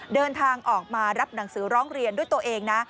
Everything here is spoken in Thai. เดินทางออกมารับหนังสือร้องเรียนด้วยตัวเองนะ